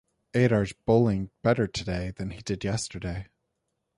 Adair's bowling better today than he did yesterday.